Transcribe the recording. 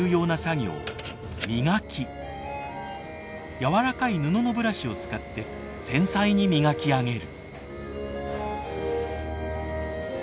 柔らかい布のブラシを使って繊細に磨き上げる。